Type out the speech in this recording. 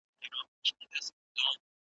له سهاره تر ماښامه په غیبت وي .